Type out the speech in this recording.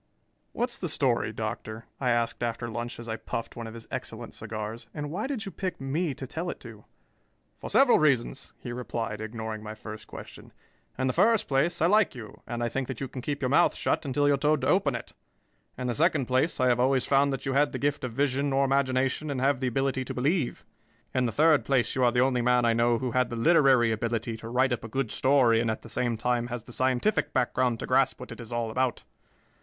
"What's the story, Doctor?" I asked after lunch as I puffed one of his excellent cigars. "And why did you pick me to tell it to?" "For several reasons," he replied, ignoring my first question. "In the first place, I like you and I think that you can keep your mouth shut until you are told to open it. In the second place, I have always found that you had the gift of vision or imagination and have the ability to believe. In the third place, you are the only man I know who had the literary ability to write up a good story and at the same time has the scientific background to grasp what it is all about.